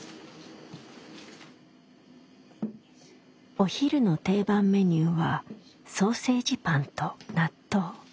お昼の定番メニューはソーセージパンと納豆。